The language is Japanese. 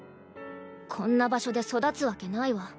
こんな場所で育つわけないわ。